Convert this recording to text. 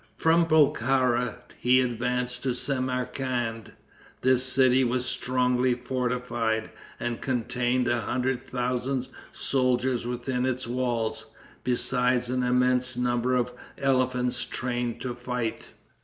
From Bokhara he advanced to Samarcande. This city was strongly fortified, and contained a hundred thousand soldiers within its walls, besides an immense number of elephants trained to fight.